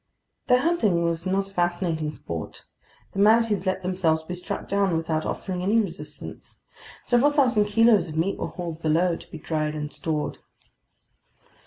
Their hunting was not a fascinating sport. The manatees let themselves be struck down without offering any resistance. Several thousand kilos of meat were hauled below, to be dried and stored.